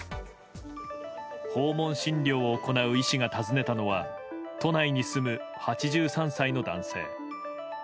訪問診療を行う医師が訪ねたのは都内に住む８３歳の男性。